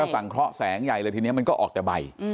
สังเคราะห์แสงใหญ่เลยทีนี้มันก็ออกแต่ใบ